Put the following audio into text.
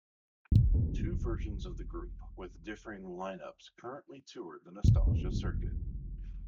Two versions of the group, with differing line-ups, currently tour the nostalgia circuit.